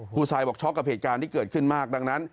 ผู้ชายบอกช็อกกับเหตุการณ์ที่เกิดขึ้นมากดังนั้น